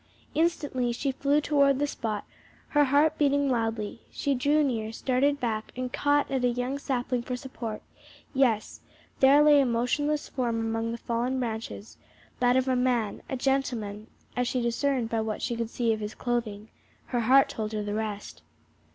Instantly she flew toward the spot, her heart beating wildly; she drew near, started back and caught at a young sapling for support; yes, there lay a motionless form among the fallen branches, that of a man, a gentleman, as she discerned by what she could see of his clothing; her heart told her the rest.